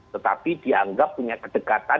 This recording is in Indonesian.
tetapi dianggap punya kedekatan